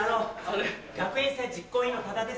学園祭実行委員の多田です。